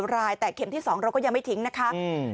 รายแต่เข็มที่๒เราก็ยังไม่ทิ้งนะคะ